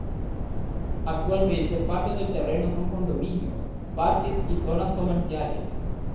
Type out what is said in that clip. Actualmente parte del terreno son condominios, parques y zonas comerciales